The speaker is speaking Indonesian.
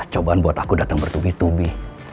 cobaan buat aku datang bertubi tubi